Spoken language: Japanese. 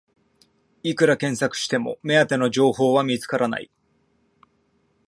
いくら検索しても目当ての情報は見つからない